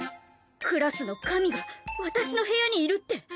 クラスの神が私の部屋にいるって。